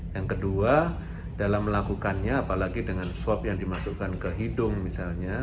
yang kedua dalam melakukannya apalagi dengan swab yang dimasukkan ke hidung misalnya